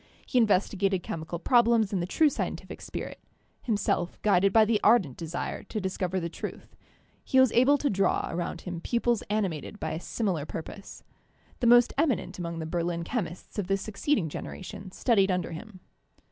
He investigated chemical problems in the true scien tific spirit ; himself guided by the ardent desire to discover the truth, he was able to draw around him pupils animated by a similar purpose. The most eminent among the Berlin chemists of the succeeding generation studied under him.